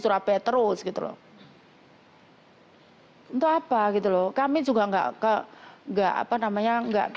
surabaya terus gitu loh hai untuk apa gitu loh kami juga enggak ke enggak apa namanya enggak